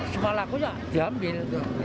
semua laku diambil